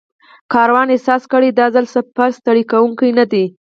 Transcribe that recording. کاروان احساس کړ دا ځل سفر ستړی کوونکی نه دی.